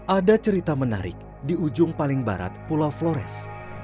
ada cerita menarik di ujung paling barat pulau flores